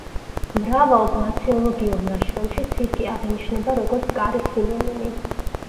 მრავალ გლაციოლოგიურ ნაშრომში ცირკი აღინიშნება როგორც კარის სინონიმი.